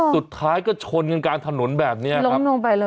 สุดท้ายก็ชนกันกลางถนนแบบเนี่ยครับ